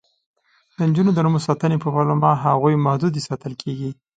د نجونو د ناموس ساتنې په پلمه هغوی محدودې ساتل کېږي.